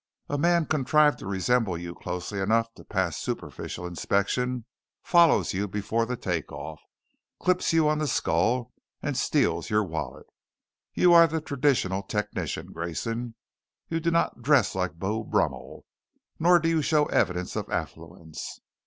A man contrived to resemble you closely enough to pass superficial inspection follows you before the take off, clips you on the skull, and steals your wallet. You are the traditional technician, Grayson. You do not dress like Beau Brummel, nor do you show evidence of affluence.